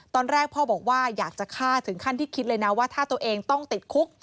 ตอนแรกพ่อบอกว่าอยากจะฆ่าถึงขั้นที่คิดเลยนะว่าถ้าตัวเองต้องติดคุก